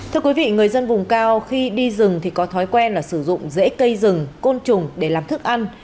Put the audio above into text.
thưa quý vị người dân vùng cao khi đi rừng thì có thói quen là sử dụng dễ cây rừng côn trùng để làm thức ăn